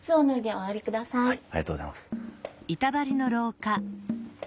ありがとうございます。